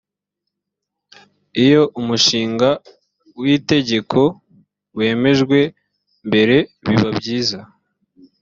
iyo umushinga w’itegeko wemejwe mbere biba byiza